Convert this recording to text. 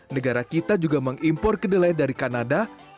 negara kita juga mengimpor kedelai dari kanada